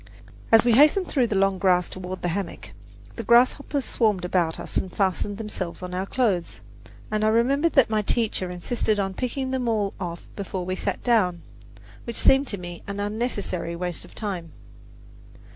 As we hastened through the long grass toward the hammock, the grasshoppers swarmed about us and fastened themselves on our clothes, and I remember that my teacher insisted upon picking them all off before we sat down, which seemed to me an unnecessary waste of time.